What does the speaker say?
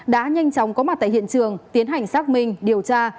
đã nhanh chóng có mặt tại hiện trường tiến hành xác minh điều tra